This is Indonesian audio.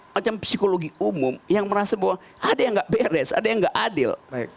macam psikologi umum yang merasa bahwa ada yang nggak beres ada yang gak adil